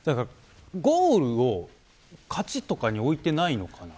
ゴールを、勝ちとかに置いていないのかな。